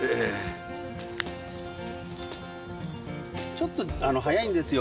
ちょっと早いんですよ。